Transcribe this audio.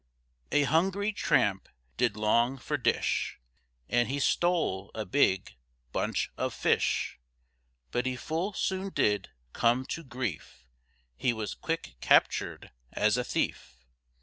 A hungry tramp did long for dish, And he stole a big bunch of fish, But he full soon did come to grief, He was quick captured as a thief.